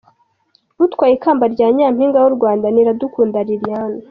Utwaye ikamba rya nyaminga w’ u Rwanda n’ Iradukunda Liliane